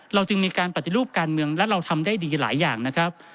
เราจึงมีการปฏิรูปการเมืองและเราทำได้ดีหลายอย่างนะครับ